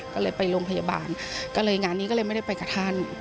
ก็เลยไปโรงพยาบาลก็เลยงานนี้ก็เลยไม่ได้ไปกับท่าน